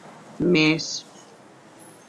Mès!